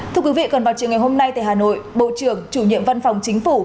thưa quý vị còn vào chiều ngày hôm nay tại hà nội bộ trưởng chủ nhiệm văn phòng chính phủ